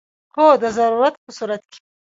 هو، د ضرورت په صورت کې